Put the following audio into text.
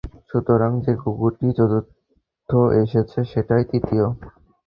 সুতরাং, যে কুকুরটি চতুর্থ এসেছে, সেটাই তৃতীয়।